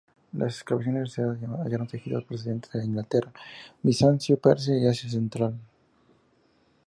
Las excavaciones realizadas hallaron tejidos procedentes de Inglaterra, Bizancio, Persia y Asia central.